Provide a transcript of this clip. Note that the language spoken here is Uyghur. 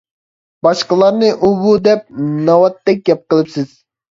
باشقىلارنى ئۇ-بۇ دەپ. ناۋاتتەك گەپ قىلىپسىز!